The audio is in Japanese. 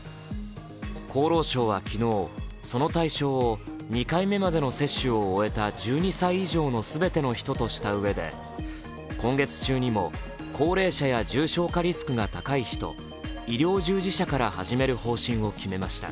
厚労省は昨日、その対象を２回目までの接種を終えた１２歳以上のすべての人としたうえで今月中にも高齢者や重症化リスクが高い人、医療従事者から始める方針を決めました。